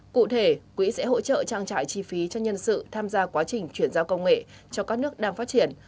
cụ thể quỹ sẽ hỗ trợ trang trải chi phí cho nhân sự tham gia quá trình chuyển giao công nghệ cho các nước đang phát triển